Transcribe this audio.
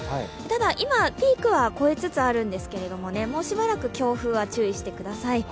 今、ピークは越えつつあるんですけれども、もうしばらく強風は注意してください。